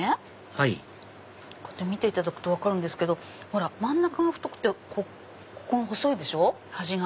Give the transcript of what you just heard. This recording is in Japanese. はい見ていただくと分かるんですけど真ん中が太くてここが細いでしょ端が。